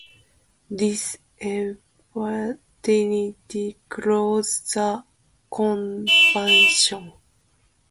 This emphatically closed the conversation.